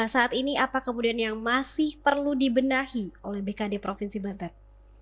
saat ini apa kemudian yang masih perlu dibenahi oleh bkd provinsi banten